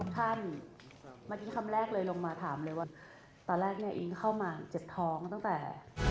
โปรดติดตามตอนต่อไป